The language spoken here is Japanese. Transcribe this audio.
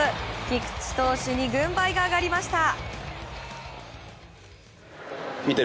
菊池投手に軍配が上がりました。